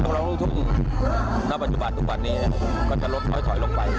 ลูกทุ่งณปัจจุบันทุกวันนี้ก็จะลดถอยลงไป